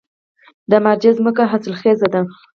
د مارجې ځمکې حاصلخیزه دي